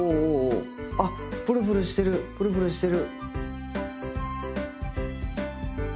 あっプルプルしてるプルプルしてる。